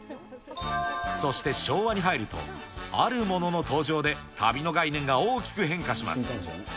そして昭和に入ると、あるものの登場で旅の概念が大きく変化します。